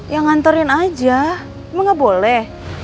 ya nganterin aja emang gak boleh